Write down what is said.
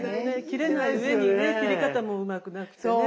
切れないうえにね切り方もうまくなくてね。